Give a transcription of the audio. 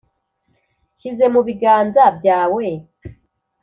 nshyize mu biganza byawe